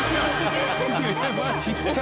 ちっちゃ！